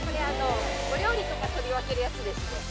これお料理とか取り分けるやつですね。